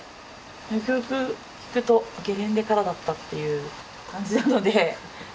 よくよく聴くとゲレンデからだったという感じなので。